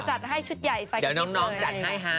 จัดให้ชุดใหญ่ไฟล์กันดูเลย